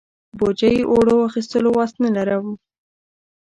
بوجۍ اوړو اخستلو وس نه لرم.